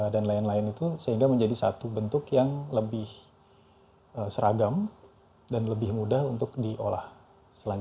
dan lain lain itu sehingga menjadi satu bentuk yang lebih seragam dan lebih mudah untuk diolah selanjutnya